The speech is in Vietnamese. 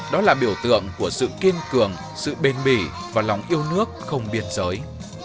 đó là biểu tượng của sự kiên cường sự bền bỉ và lòng yêu nước không biên giới